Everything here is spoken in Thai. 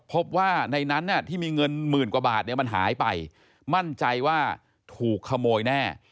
พบว่าในนั้นที่มีเงินหมื่นกว่าบาทเนี่ยมันหายไปมั่นใจว่าถูกขโมยแน่